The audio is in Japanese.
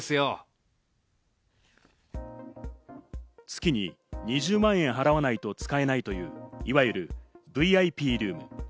月に２０万円払わないと使えないという、いわゆるＶＩＰルーム。